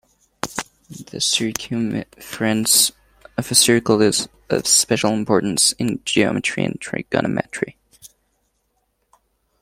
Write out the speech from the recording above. The circumference of a circle is of special importance in geometry and trigonometry.